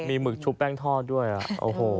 มีหมึกชุบแป้งทอดด้วยอ่ะโอ้โห